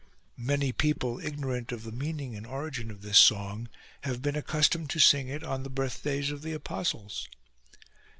(Many people, ignorant of the meaning and origin of this song, have been accustomed to sing it on the birthdays of the apostles.)